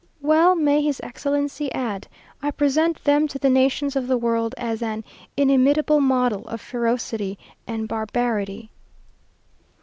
Well may his Excellency add "I present them to the nations of the world as an inimitable model of ferocity and barbarity!"